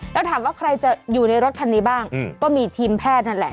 แล้วถามว่าใครจะอยู่ในรถคันนี้บ้างก็มีทีมแพทย์นั่นแหละ